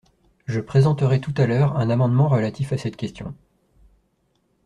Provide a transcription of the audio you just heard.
Je présenterai tout à l’heure un amendement relatif à cette question.